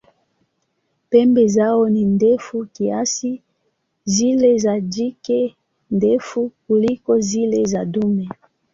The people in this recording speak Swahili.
Pembe zao ni ndefu kiasi, zile za jike ndefu kuliko zile za dume.